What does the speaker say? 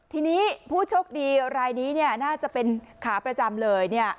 ทีนี้ผู้โชคดีรายนี้น่าจะเป็นขาประจำเลย